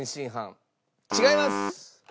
違います。